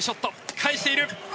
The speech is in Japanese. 返している。